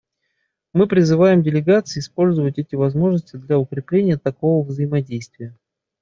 Мы призываем делегации использовать эти возможности для укрепления такого взаимодействия.